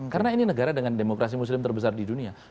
karena ini negara dengan demokrasi muslim terbesar di dunia